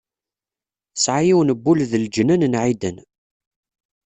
Tesɛa yiwen n wul d leǧnan n ɛiden.